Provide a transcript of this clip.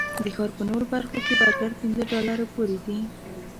د ښار په نورو برخو کې برګر پنځه ډالرو پورې دي.